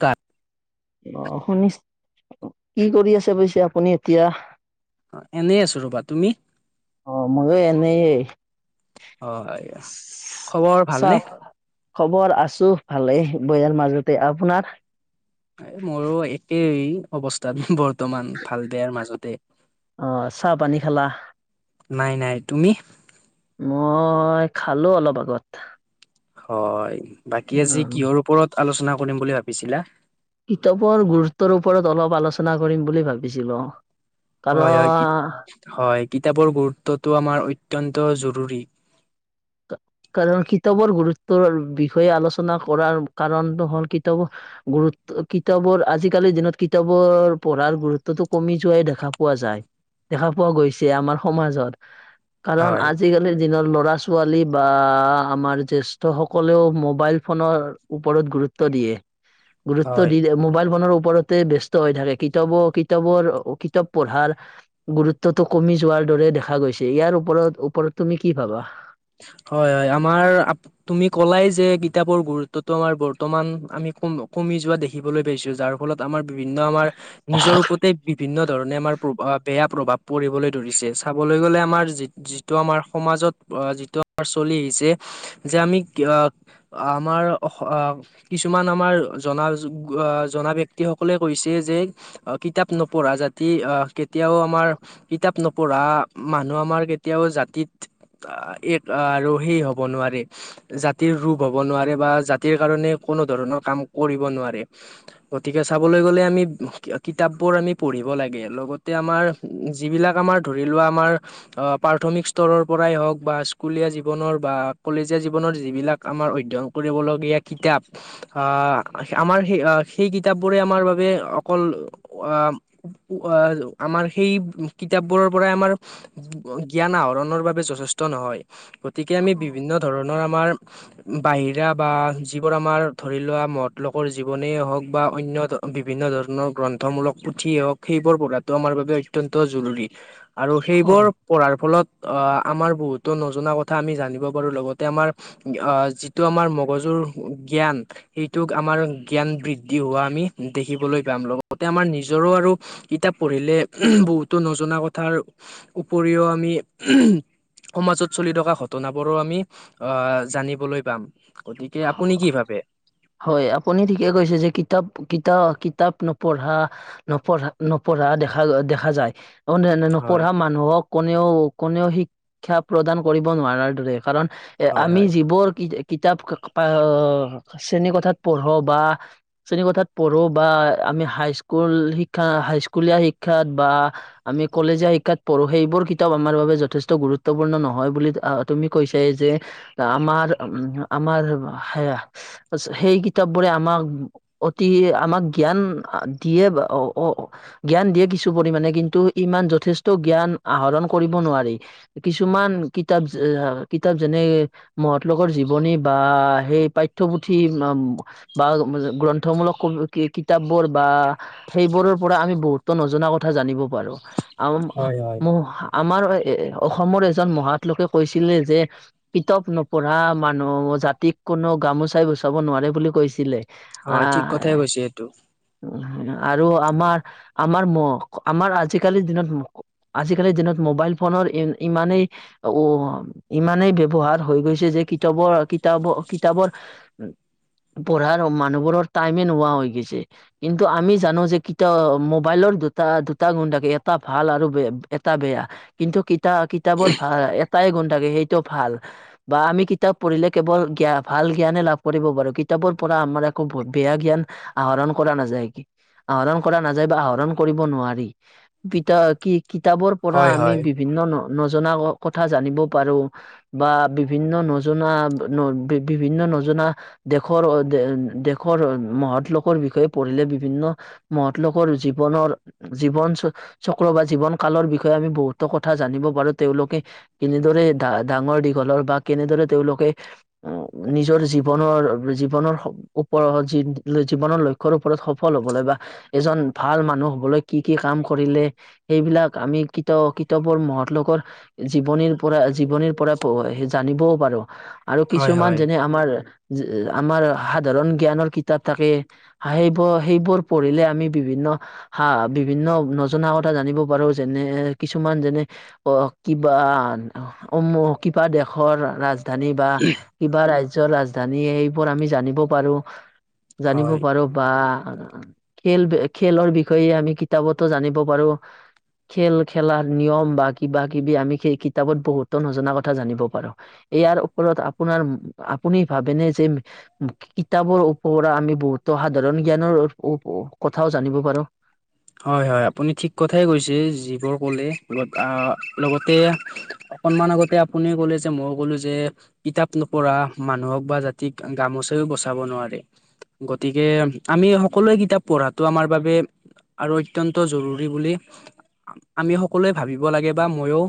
তাত অ', শুনিছোঁ। কি কৰি আছে বুইছে আপুনি এতিয়া? অ', এনেই আছোঁ ৰবা তুমি? অ', মইও এনেই। অ', এইয়া, খবৰ ভালনে? চাপ খবৰ আছোঁ। ভালেই বেয়াৰ মাজতে, আপোনাৰ? এই মোৰো একেই। অৱস্থা বৰ্তমান ভাল বেয়াৰ মাজতে। অ চাহ পানী খালা নাই, নাই তুমি? মই খালো অলপ আগত। হয়, বাকী অ আজি কিহৰ ওপৰত আলোচনা কৰিম বুলি ভাবিছিলা? কিতাপৰ গুৰুত্বৰ ওপৰত অলপ আলোচনা কৰিম বুলি ভাবিছিলো। হয়, হয়, কাৰণ হয়, কিতাপৰ গুৰুত্বটো আমাৰ অত্যন্ত জৰুৰী। কাৰণ কিতাপৰ গুৰুত্বৰ বিষয়ে আলোচনা কৰাৰ কাৰণটো হ'ল কিতাপৰ গুৰুত্ব কিতাপৰ আজিকালিৰ দিনত কিতাপৰ পঢ়াৰ গুৰুত্বটো কমি যোৱাই দেখা পোৱা যায়। দেখা পোৱা গৈছে আমাৰ সমাজত কাৰণ হয় আজিকালিৰ দিনৰ ল'ৰা ছোৱালী বা আমাৰ জ্যেষ্ঠসকলেও মোবাইল ফোনৰ ওপৰত গুৰুত্ব দিয়ে। গুৰুত্ব হয় দি মোবাইল ফোনৰ ওপৰতে ব্যস্ত হৈ থাকে কিতাপৰ কিতাপৰ কিতাপ পঢ়াৰ গুৰুত্বটো কমি যোৱাৰ দৰে দেখা গৈছে, ইয়াৰ ওপৰত ওপৰত তুমি কি ভাবা? হয়, হয়, আমাৰ তুমি ক'লাই যে কিতাপৰ গুৰুত্বটো আমাৰ বৰ্তমান আমি কমি যোৱা দেখিবলৈ পাইছো। যাৰ ফলত আমাৰ বিভিন্ন আমাৰ নিজৰ ওপৰতে বিভিন্ন ধৰণে আমাৰ প্ৰভাৱ বেয়া প্ৰভাৱ পৰিবলৈ ধৰিছে চাবলৈ গ'লে আমাৰ যি যিটো আমাৰ সমাজত আহ যিটো চলি আহিছে যে আমি আহ আমাৰ অ' কিছুমান আমাৰ জনা জনা ব্যক্তিসকলে কৈছে যে কিতাপ নপঢ়া জাতি আহ কেতিয়াও আমাৰ কিতাপ নপঢ়া মানুহ আমাৰ কেতিয়াও জাতিত এক অ', আৰু সেই হ'ব নোৱাৰি। জাতিৰ ৰূপ হ'ব নোৱাৰে বা জাতিৰ কাৰণে কোনো ধৰণৰ কাম কৰিব নোৱাৰে। গতিকে চাবলৈ গ'লে আমি কিতাপবোৰ আমি পঢ়িব লাগে। লগতে আমাৰ যিবিলাক আমাৰ ধৰি লোৱা আমাৰ প্ৰাথমিক অ' স্তৰৰ হওঁক বা স্কুলীয়া জীৱনৰ বা কলেজীয়া জীৱনৰ যিবিলাক আমাৰ অধ্যয়ন কৰিবলগীয়া কিতাপ আহ সেই আমাৰ সেই কিতাপবোৰে বাবে অকল আহ আহ আমাৰ সেই কিতাপবোৰৰ পৰাই আমাৰ জ্ঞান আহৰণৰ বাবে যথেষ্ট নহয়। গতিকে আমি বিভিন্ন ধৰণৰ আমাৰ বাহিৰা বা যিবোৰ আমাৰ ধৰি লোৱা মহৎলোকৰ জীৱনেই হওঁক বা অন্য বিভিন্ন ধৰণৰ গ্ৰন্থমূলক পুথিয়েই হওঁক সেইবোৰ পঢ়াটো আমাৰ বাবে অত্যন্ত জৰুৰী। আৰু সেইবোৰ হয় পঢ়াৰ ফলত আমাৰ বহুত টো নজনা কথা আমি জানিব পাৰো লগতে আমাৰ যিটো আমাৰ মগজুৰ জ্ঞান। সেইটোক আমাৰ জ্ঞান বৃদ্ধি হোৱা আমি দেখিবলৈ পাম লগতে আমাৰ নিজৰো আৰু কিতাপ পঢ়িলে বহুতো নজনা কথাৰ উপৰিও আমি সমাজত চলি থকা ঘটনাবোৰো আমি আহ জানিবলৈ পাম। গতিকে আপুনি কি ভাবে? হয়, আপুনি ঠিকে কৈছে যে কিতাপ কিতাপ কিতাপ নপঢ়া নপঢ়া নপঢ়া দেখা দেখা যায় হয় নপঢ়া মানুহক কোনেও কোনেও শিক্ষা প্ৰদান কৰিব নোৱাৰাৰ দৰে। কাৰণ এ হয় আমি হয় যিবোৰ কিতাপ শ্ৰেণী কথাত পঢ়ো বা শ্ৰেণীকোঠাত পঢ়ো বা আমি হাইস্কুল শিক্ষা হাইস্কুলীয়া শিক্ষাত বা আমি কলেজীয়া শিক্ষাত পঢ়ো সেইবোৰ কিতাপ আমাৰ বাবে যথেষ্ট গুৰুত্বপূৰ্ণ নহয় বুলি তুমি কৈছা যে। আমাৰ উম আমাৰ হা সেই কিতাপবোৰে আমাক অতি আমাক জ্ঞান দিয়ে জ্ঞান দিয়ে কিছু পৰিমানণে কিন্তু ইমান যথেষ্ট জ্ঞান আহৰণ কৰিব নোৱাৰি। কিছুমান কিতাপ কিতাপ যেনে মহৎলোকৰ জীৱনী বা সেই পাঠ্য পু পুঠি [unintelligible] গ্ৰন্থমূলক কিতাপবোৰ বা সেইবোৰৰ পৰা আমি বহুতো নজনা কথা জানিব পাৰো। হয় [unintelligible] হয় আমাৰ এ অসমৰ এজন মহৎ লোকে কৈছিলে যে পিতাপ নপঢ়া মানুহ জাতিক কোনো গামোচা চাই গুচাব নোৱাৰে বুলি কৈছিলে। হয় ঠিক আহ কথাই কৈছে এইটো আৰু আমাৰ, আমাৰ ম আমাৰ আজিকালিৰ দিনত আজিকালিৰ দিনত মোবাইল ফোনৰ ই ইমানেই উ, ইমানেই ব্যৱহাৰ হৈ গৈছে যে, কিতাপৰ-কিতাপৰ-কিতাপৰ পঢ়াৰ মানুহবোৰৰ টাইমে নোহোৱা হৈ গৈছে। কিন্তু আমি জানো যে [unintelligible] মোবাইলৰ দুটা দুটা গুণাকে এটা ভাল আৰু এটা বেয়া, কিন্তু কিতাপ-কিতাপৰ ভাল এটাই গুণ থাকে সেইটো ভাল, বা আমি কিতাপ পঢ়িলে কেৱল জ্ঞান ভাল জ্ঞানে লাভ কৰিব পাৰো। কিতাপৰ পৰা আমাৰ একো বেয়া জ্ঞান আহৰণ কৰা নাযায়। কি আহৰণ কৰা নাযায় বা আহৰণ কৰিব নোৱাৰি। [unintelligible] কিতাপৰ পৰা হয় আমি হয় বিভিন্ন ন, নজনা কথা জানিব পাৰোঁ। বা বিভিন্ন নজনা, বিভিন্ন নজনা দেশৰ, দেশৰ মহৎ লোকৰ বিষয়ে পঢ়িলে বিভিন্ন মহৎলোকৰ জীৱনৰ জীৱন চক্ৰ বা জীৱন কালৰ বিষয়ে আমি বহুতো কথা জানিব পাৰো, তেওঁলোকে কেনেদৰে ডা ডাঙৰ-দীঘলৰ বা কেনেদৰে তেওঁলোকে নিজৰ জীৱ জীৱনৰ, জীৱনৰ ওপৰত, জীৱনৰ লক্ষ্যৰ ওপৰত সফল হ'বলৈ বা এজন ভাল মানুহ হ'বলৈ কি কি কাম কৰিলে সেইবিলাক আমি কিতাপ-কিতাপৰ মহৎ লোকৰ জীৱনীৰ পৰা জীৱনীৰ পৰা পঢ়ো, জানিবও পাৰো। আৰু হয় কিছুমান হয় যেনে আমাৰ, আমাৰ সাধাৰণ জ্ঞানৰ কিতাপ থাকে সেইবোৰ, সেইবোৰ পঢ়িলে আমি বিভিন্ন হা, বিভিন্ন নজনা কথা জানিব পাৰো, যেনে কিছুমান যেনে অ', কিবা, কিবা দেশৰ ৰাজ ৰাজধানী বা কিবা ৰাজ্যৰ ৰাজধানী সেইবোৰ আমি জানিব পাৰো। জানিব হয় পাৰোঁ। বা খেল, খেলৰ বিষয়ে আমি কিতাপটো জানিব পাৰো। খেল খেলাৰ নিয়ম বা কিবা-কিবি আমি সেই কিতাপত বহুতো নজনা কথা জানিব পাৰোঁ। ইয়াৰ ওপৰত আপোনাৰ, আপুনি ভাবেনে যে কিতাপৰ পৰা আমি বহুতো সাধাৰণ জ্ঞানৰ কথাও জানিব পাৰো। হয় হয়, আপুনি ঠিক কথাই কৈছে, যিবোৰ ক'লে, লগতে অকনমান আগতে আপুনি ক'লে যে, মই ক'লো যে কিতাপ নপঢ়া মানুহক বা জাতিক গামোচাইও বচাব নোৱাৰে। গতিকে আমি সকলোৱে কিতাপ পঢ়াটো আমাৰ বাবে আৰু অত্যন্ত জৰুৰী বুলি আমি সকলোৱে ভাবিব লাগে বা ময়ো,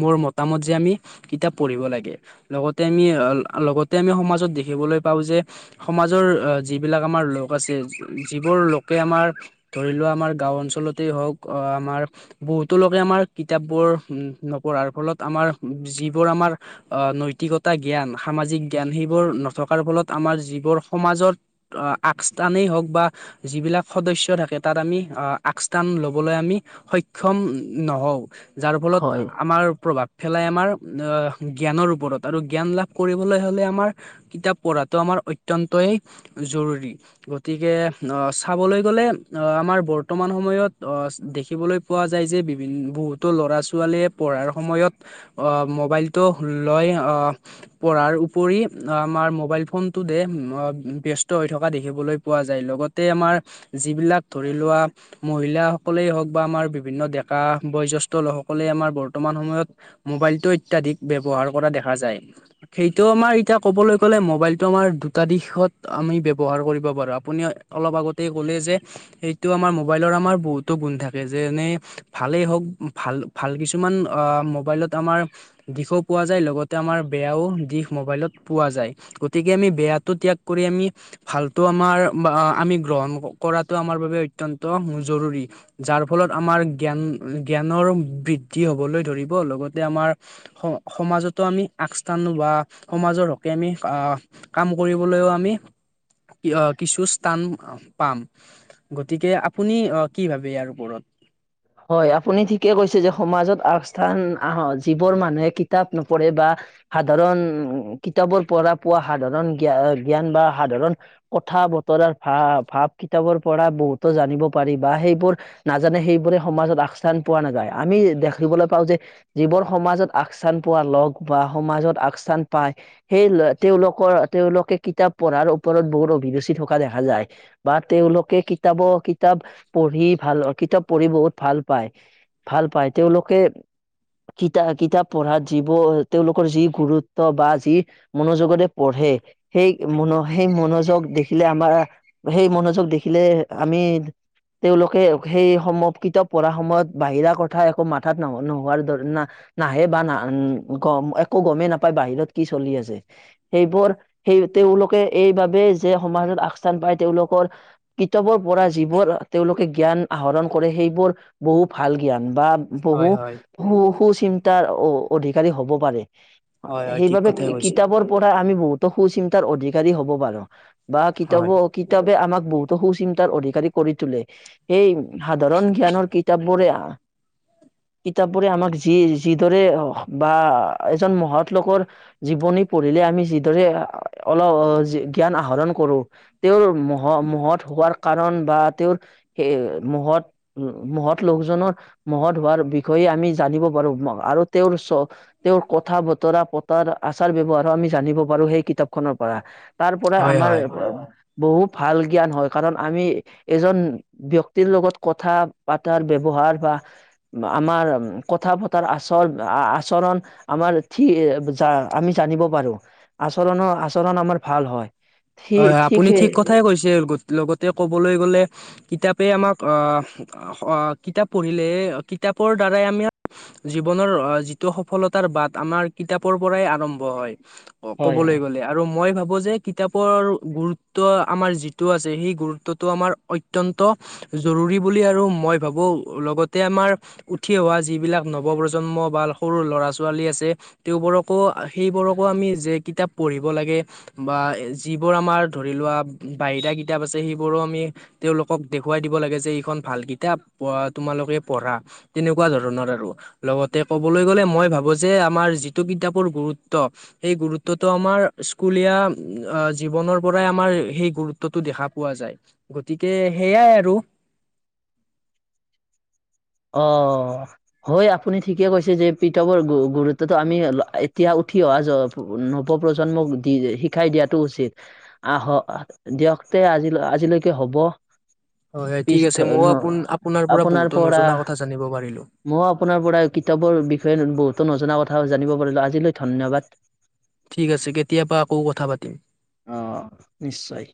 মোৰ মতামত যে আমি কিতাপ পঢ়িব লাগে, লগতে আমি আহ, লগতে আমি সমাজত দেখিবলৈ পাওঁ যে সমাজৰ আহ যিবিলাক আমাৰ লোক আছে, যিবোৰ লোকে আমাৰ ধৰি লোৱা, আমাৰ গাঁও অঞ্চলতেই হওক, আমাৰ বহুতো লোকে আমাৰ কিতাপবোৰ উম, নপঢ়াৰ ফলত আমাৰ, যিবোৰ আমাৰ আ, নৈতিকতা জ্ঞান, সামাজিক জ্ঞান, সেইবোৰ নথকাৰ ফলত আমাৰ যিবোৰ সমাজত আকস্থানেই হওঁক বা যিবিলাক সদস্য থাকে তাত আমি আ আকস্থান ল'বলৈ আমি সক্ষম নহওঁ। যাৰ ফলত হয়। আমাৰ প্ৰভাৱ ফেলাই আমাৰ জ্ঞানৰ ওপৰত আৰু জ্ঞান লাভ কৰিবলে হ'লে আমাৰ কিতাপ পঢ়াটো আমাৰ অত্যন্তই জৰুৰী, গতিকে আ, চাবলৈ গ'লে আ, আমাৰ বৰ্তমান সময়ত অ' দেখিবলৈ পোৱা যায় যে বিভিন্ বহুত' ল'ৰা-ছোৱালীয়ে পঢ়াৰ সময়ত অ মোবাইলটো লৈ অ পঢ়াৰ উপৰি আমাৰ মোবাইল ফোনটো ব্যস্ত হৈ থকা দেখিবলৈ পোৱা যায়। লগত তে আমাৰ যিবিলাক ধৰি লোৱা মহিলাসকলে হওঁক বা আমাৰ বিভিন্ন ডেকা বয়োজেষ্ঠলোকসকলে আমাৰ বৰ্তমান সময়ত মোবাইলটো অত্যাধিক ব্যৱহাৰ কৰা দেখা যায়। সেইটো আমাৰ এতিয়া ক'বলৈ গ'লে মোবাইলটো আমাৰ দুটা দিশত আমি ব্যৱহাৰ কৰিব পাৰো। আপুনিও অলপ আগতেই ক'লে যে, এইটো আমাৰ মোবাইলৰ আমাৰ বহুতো গুণ থাকে, যেনে ভালেই হওঁক, ভাল ভাল কিছুমান আ মোবাইলত আমাৰ দিশো পোৱা যায়, লগতে আমাৰ বেয়াও দিশ মোবাইলত পোৱা যায়। গতিকে আমি বেয়াটো ত্যাগ কৰি আমি, ভালটো আমাৰ ব আমি গ্ৰহণ কৰাটো আমাৰ বাবে অত্যন্ত জৰুৰী। যাৰ ফলত আমাৰ জ্ঞান জ্ঞানৰ বৃদ্ধি হ'বলৈ ধৰিব, লগতে আমাৰ স সমাজতো আমি আকস্থান বা সমাজৰ হ'কে আমি আ কাম কৰিবলৈও আমি কিহ' কিছু স্থান পাম। গতিকে আপুনি অ কি ভাবে ইয়াৰ ওপৰত? হয়, আপুনি ঠিকে কৈছে। যে সমাজত আগস্থান আহ যিবোৰ মানুহে কিতাপ নপঢ়ে বা সাধাৰণ কিতাপৰ পোৱা সাধাৰণ জ্ঞা-জ্ঞান বা সাধাৰণ কথা বতৰাৰ ভা-ভাৱ কিতাপৰ পৰা বহুতো জানিব পাৰি বা সেইবোৰ নাজানে সেইবোৰে সমাজত আগস্থান পোৱা নাযায়। আমি দেখিবলৈ পাওঁ যে যিবোৰ সমাজত আগচান পোৱা লোক বা সমাজত আগস্থান পায় সেই তেওঁলোকৰ তেওঁলোকে কিতাপ পঢ়াৰ ওপৰত বহুত অভিৰুচি থকা দেখা যায়। বা তেওঁলোকে কিতাব্ কিতাপ পঢ়ি ভাল কিতাপ পঢ়ি বহুত ভাল পায়, ভাল পায়। তেওঁলোকে কিতা কিতাপ পঢ়াত যিবো তেওঁলোকৰ যি গুৰুত্ব বা যি মনোযোগতে পঢ়ে, সেই মনো সেই মনোযোগ দেখিলে আমাৰ সেই মনোযোগ দেখিলে আমি তেওঁলোকে সেই সম কিতাপ পঢ়া সময়ত বাহিৰা কথা একো মাথাত নহ' নোহোৱাৰ দৰে না। নাহে বা না গম, একো গমেই নাপায় বাহিৰত কি চলি আছে। সেইবোৰ সেই তেওঁলোকে এইবাবে যে সমাজত আগস্থান পায়, তেওঁলোকৰ কিতাপৰ পৰা যিবোৰ তেওঁলোকে জ্ঞান আহৰণ কৰে, সেইবোৰ বহু ভাল জ্ঞান বা বহু হয় হয় সু-সুচিন্তাৰ অ' অধিকাৰী হ'ব পাৰে, হয় হয় ঠিক সেইবাবে কথাই কৈছে কিতাপৰ পৰা আমি বহুতো সুচিন্তাৰ অধিকাৰী হ'ব পাৰো। বা কিতাপ হয় কি কিতাপে আমাক বহুতো সুচিন্তাৰ অধিকাৰী কৰি তোলে। সেই সাধাৰণ জ্ঞানৰ কিতাপবোৰে কিতাপবোৰে আমাক যি যিদৰে বা এজন মহৎ লোকৰ জীৱনী পঢ়িলে, আমি যিদৰে অল জ্ঞান আহৰণ কৰোঁ। তেওঁৰ মহ মহৎ হোৱাৰ কাৰণ বা তেওঁৰ হে মহৎ উম, মহৎ লোকজনৰ মহৎ হোৱাৰ বিষয়ে আমি জানিব পাৰো আৰু তেওঁৰ চব তেওঁৰ কথা-বতৰা পতাৰ, আচাৰ-ব্যৱহাৰো আমি জানিব পাৰো, সেই কিতাপ খনৰ পৰা। তাৰ পৰাই হয় হয় আমাৰ হয় বহু ভাল জ্ঞান হয়, কাৰণ আমি এজন ব্যক ক্তিৰ লগত কথা পাতাৰ ব্যৱহাৰ বা আমাৰ কথা পতাৰ আচৰ-আচৰণ আমাৰ [unintelligible] আমি জানিব পাৰো। আচৰণৰ-আচৰণ আমাৰ ভাল হয়। সি হয়, হয়, আপুনি সেই ঠিক কথাই কৈছে। লগতে ক'বলৈ গ'লে কিতাপে আমাক অ', কিতাপ পঢ়িলে কিতাপৰ দ্বাৰাই আমাৰ জীৱনৰ যিটো সফলতাৰ বাট, আমাৰ কিতাপৰ পৰাই আৰম্ভ হয়। হয় ক'বলৈ হয় গ'লে আৰু মই ভাবো যে কিতাপ পৰ গুৰুত্ব আমাৰ যিটো আছে, সেই গুৰুত্বটো আমাৰ অত্যন্ত জৰুৰী বুলি আৰু মই ভাবো, লগতে আমাৰ উঠি অহা যিবিলাক নৱ-প্ৰজন্ম বা সৰু ল'ৰা-ছোৱালী আছে তেওঁবোৰকো, সেইবোৰকো আমি যে কিতাপ পঢ়িব লাগে বা যিবোৰ আমাৰ ধৰি লোৱা, বাহিৰা কিতাপ আছে সেইবোৰো আমি তেওঁলোকক দেখুৱাই দিব লাগে যে, এইখন ভাল কিতাপ তোমালোকে পঢ়া। তেনেকুৱা ধৰণৰ আৰু। লগতে কবলৈ গ'লে, মই ভাবো যে, আমাৰ যিটো কিতাপৰ গুৰুত্ব সেই গুৰুত্বটো আমাৰ স্কুলীয়া জীৱনৰ পৰাই আমাৰ সেই গুৰুত্বতটো দেখা পোৱা যায়, গতিকে সেইয়াই আৰু। অ, হয়, আপুনি ঠিকে কৈছে, যে [unintelligible] গুৰুত্বটো আমি এতিয়া উঠি অহা নৱ-প্ৰজন্মক দি শিকাই দিয়াটো উচিত। আহ, আহ, দিয়ক তে আজিল আজিলৈকে হ'ব। হয়, হয়, পিছ ঠিক আছে। মইও আপোন আপোনাৰ পৰা বহুতো নজনা কথা জানিব পাৰিলো মই ও আপোনাৰ পৰা কিতাপৰ বিষয়ে বহুতো নজনা কথা জানিব পাৰিলোঁ। আজিলৈ ধন্যবাদ। [inaudible] ঠিক আছে, কেতিয়াবা আকৌ কথা পাতিম। অ, নিশ্চয়।